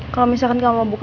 kalo misalkan kamu mau buka